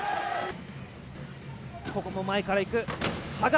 ここも前からいく、羽賀。